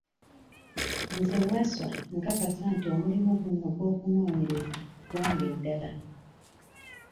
Nze Wasswa nkakasa nti omulimu guno ogw'okunoonyereza gwange ddala.